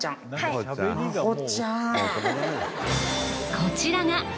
こちらが。